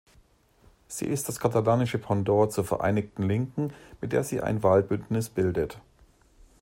Sie ist das katalanische Pendant zur Vereinigten Linken, mit der sie ein Wahlbündnis bildet.